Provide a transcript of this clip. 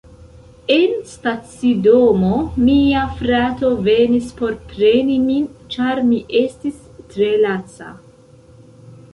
En stacidomo, mia frato venis por preni min, ĉar mi estis tre laca.